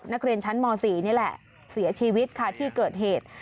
นักเรียนชั้นม๔นี่แหละเสียชีวิตค่ะที่เกิดเหตุ